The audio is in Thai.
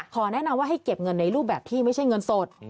แนะนำว่าให้เก็บเงินในรูปแบบที่ไม่ใช่เงินสด